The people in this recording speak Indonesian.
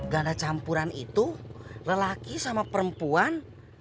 ganda campuran itu lelaki sama perempuan